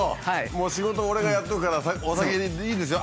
「もう仕事俺がやっとくからお先にいいですよ」。